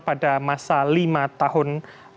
pada masa lima tahun